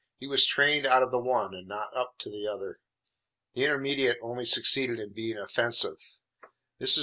He was trained out of the one and not up to the other. The intermediate only succeeded in being offensive. Mrs.